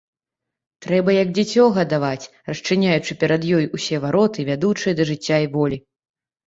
Трэба як дзіцё гадаваць, расчыняючы перад ёю ўсе вароты, вядучыя да жыцця і волі.